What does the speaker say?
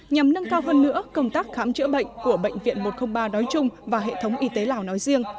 nhằm nâng cao hơn nữa công tác khám chữa bệnh của bệnh viện một trăm linh ba đói chung và hệ thống y tế lào nói riêng